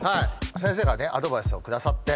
先生がアドバイスを下さって。